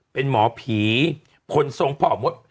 เป็นหมอผีคนทรงพ่อมด